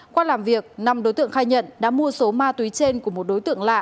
qua làm việc năm đối tượng khai nhận đã mua số ma túy trên của một đối tượng lạ